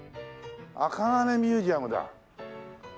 あかがねミュージアムだ。